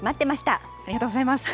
ありがとうございます。